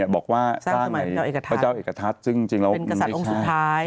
บอกว่าสร้างในเจ้าเอกทัศน์ซึ่งจริงเราไม่ใช่